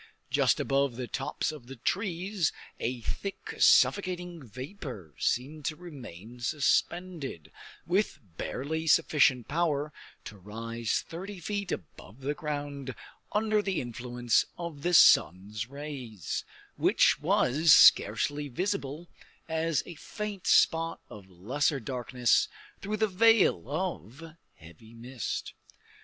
Just above the tops of the trees a thick, suffocating vapor seemed to remain suspended, with barely sufficient power to rise thirty feet above the ground under the influence of the sun's rays, which was scarcely visible as a faint spot of lesser darkness through the veil of heavy mist.